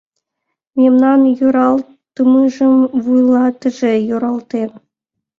Мемнан йӧралтымыжым вуйлатыше йӧралтен.